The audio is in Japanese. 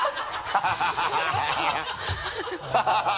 ハハハ